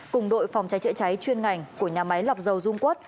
cùng đội phòng cháy chữa cháy chuyên ngành của nhà máy lọc dầu dung quất